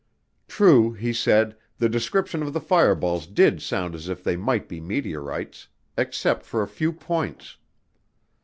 True, he said, the description of the fireballs did sound as if they might be meteorites except for a few points.